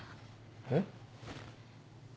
えっ？